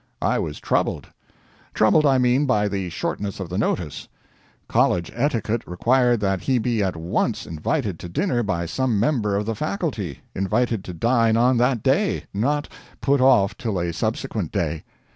I was troubled troubled, I mean, by the shortness of the notice. College etiquette required that he be at once invited to dinner by some member of the Faculty invited to dine on that day not, put off till a subsequent day.